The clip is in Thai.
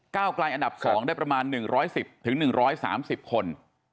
กลายอันดับ๒ได้ประมาณ๑๑๐๑๓๐คน